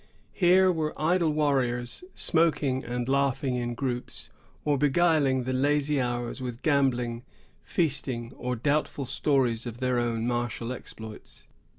Here were idle warriors smoking and laughing in groups, or beguiling the lazy hours with gambling, feasting, or doubtful stories of their own martial exploits.